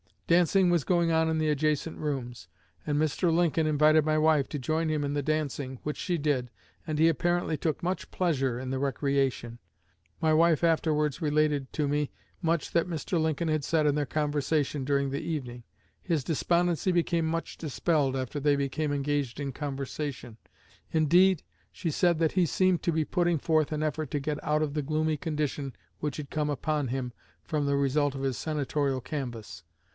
Dancing was going on in the adjacent rooms, and Mr. Lincoln invited my wife to join him in the dancing, which she did, and he apparently took much pleasure in the recreation. My wife afterwards related to me much that Mr. Lincoln said in their conversation during the evening. His despondency became much dispelled after they became engaged in conversation; indeed, she said that he seemed to be putting forth an effort to get out of the gloomy condition which had come upon him from the result of his Senatorial canvass.